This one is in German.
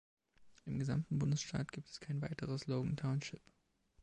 Im gesamten Bundesstaat gibt es kein weiteres Logan Township.